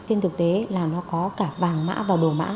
trên thực tế là nó có cả vàng mã và đồ mã